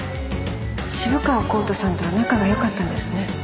渋川孔太さんとは仲がよかったんですね。